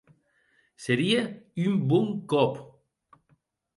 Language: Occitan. Serie un bon còp!